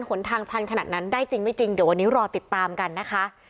หนทางชันขนาดนั้นได้จริงไม่จริงเดี๋ยววันนี้รอติดตามกันนะคะ